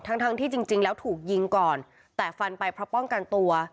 ทั้งทั้งที่จริงแล้วถูกยิงก่อนแต่ฟันไปเพราะป้องกันตัว